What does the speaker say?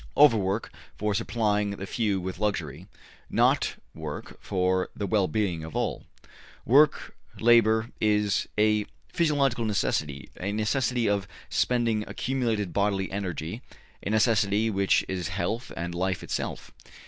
Overwork for supplying the few with luxury not work for the well being of all. Work, labor, is a physiological necessity, a necessity of spending accumulated bodily energy, a necessity which is health and life itself.